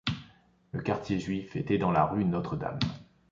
Le quartier juif était dans la rue Notre-Dame.